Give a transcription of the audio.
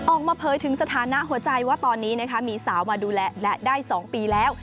ออกมาเผยถึงสถานะหัวใจว่าตอนนี้มีสาวมาดูแลและได้๒ปีแล้ว